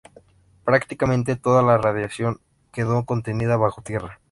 Prácticamente toda la radiación quedó contenida bajo tierra.